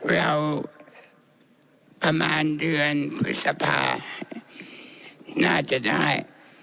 ประมาณเดือนพฤษภาน่าจะได้